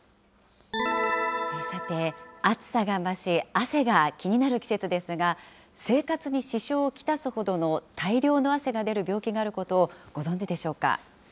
さて、暑さが増し、汗が気になる季節ですが、生活に支障を来すほどの大量の汗が出る病気があることをご存じでしょうか。